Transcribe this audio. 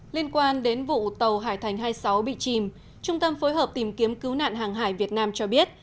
liên quan đến vụ tàu hải thành hai mươi sáu bị chìm trung tâm phối hợp tìm kiếm cứu nạn hàng hải việt nam cho biết